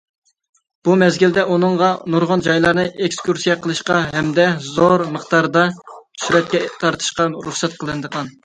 بۇ مەزگىلدە، ئۇنىڭغا نۇرغۇن جايلارنى ئېكسكۇرسىيە قىلىشقا ھەمدە زور مىقدارىدا سۈرەتكە تارتىشقا رۇخسەت قىلىنغان.